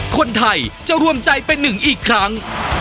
คนไทยจะรวมใจเป็นหนึ่งอีกครั้ง